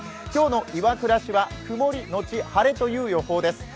今日の岩倉市は、曇りのち晴れという予報です。